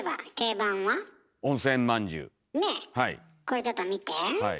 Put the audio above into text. これちょっと見て。